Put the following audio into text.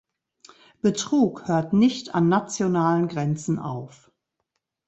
Betrug hört nicht an nationalen Grenzen auf.